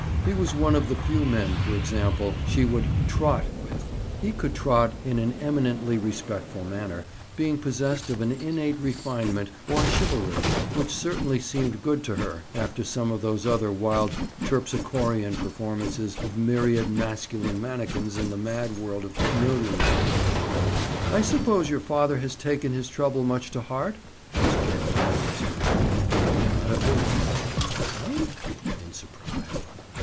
He was one of the few men, for example, she would "trot" with. He could "trot" in an eminently respectful manner, being possessed of an innate refinement, or chivalry, which certainly seemed good to her, after some of those other wild Terpsichorean performances of myriad masculine manikins in the mad world of Milliondom. "I suppose your father has taken his trouble much to heart?" Miss Gerald now observed. "Not a bit." "No?" In surprise.